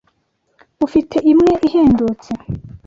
Ufite imwe ihendutse?